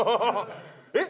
えっ？